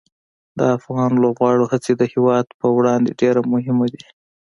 د افغان لوبغاړو هڅې د هېواد پر وړاندې ډېره مهمه دي.